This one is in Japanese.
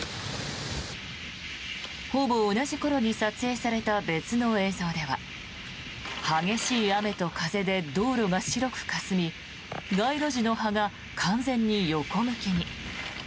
ほぼ同じ頃に撮影された別の映像では激しい雨と風で道路が白くかすみ街路樹の葉が完全に横向きに。